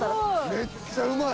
めっちゃうまい！